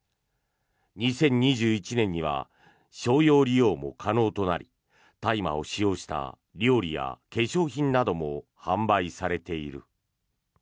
２０２１年には商用利用も可能となり大麻を使用した料理や化粧品なども販売されている。